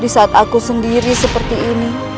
di saat aku sendiri seperti ini